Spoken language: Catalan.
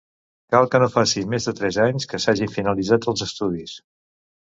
Cal que no faci més de tres anys que s'hagin finalitzat els estudis.